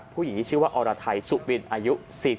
ผู้หญิงที่ชื่อว่าอรไทยสุบินอายุ๔๐